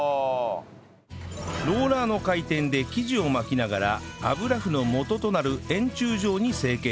ローラーの回転で生地を巻きながら油麩の元となる円柱状に成形します